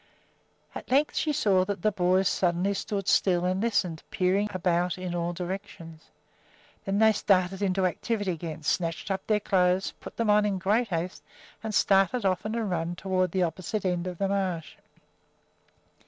At length she saw that the boys suddenly stood still and listened, peering about in all directions. Then they started into activity again, snatched up their clothes, put them on in great haste, and started off on a run toward the opposite edge of the marsh.